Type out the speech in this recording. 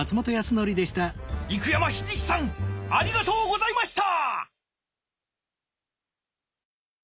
生山ヒジキさんありがとうございました！